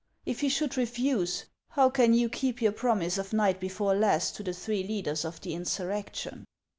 If he should refuse, how can you keep your promise of night before last to the three leaders of the insurrection